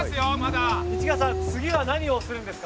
市川さん、次は何をするんですか。